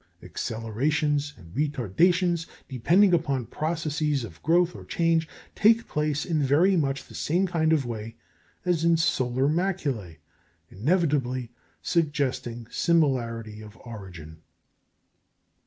Accelerations and retardations, depending upon processes of growth or change, take place in very much the same kind of way as in solar maculæ, inevitably suggesting similarity of origin.